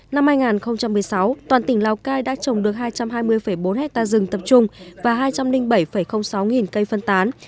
năm hai nghìn một mươi sáu toàn tỉnh lào cai đã trồng được hai trăm hai mươi bốn hectare rừng tập trung và hai trăm linh bảy sáu nghìn cây phân tán